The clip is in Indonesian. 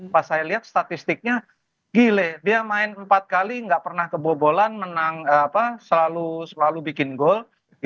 pas saya lihat statistiknya gile dia main empat kali gak pernah kebobolan menang selalu bikin gol